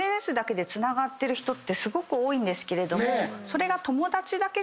すごく多いんですけれどもそれが。